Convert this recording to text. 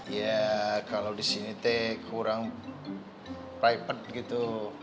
ya kalau disini teh kurang private gitu